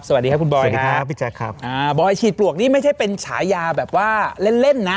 สวัสดีครับคุณบอยนะครับพี่แจ๊คครับอ่าบอยฉีดปลวกนี่ไม่ใช่เป็นฉายาแบบว่าเล่นเล่นนะ